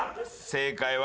正解は。